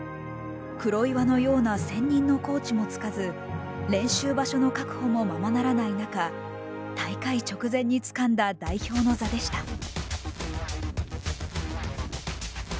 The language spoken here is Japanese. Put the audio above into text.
黒岩のような専任のコーチもつかず練習場所の確保もままならない中大会直前につかんだ代表の座でした。